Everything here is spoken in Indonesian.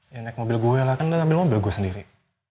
ya naik mobil gue lah kan ambil mobil gue sendiri